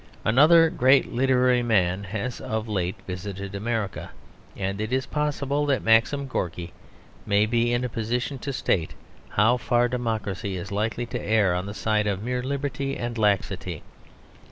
Another great literary man has of late visited America; and it is possible that Maxim Gorky may be in a position to state how far democracy is likely to err on the side of mere liberty and laxity.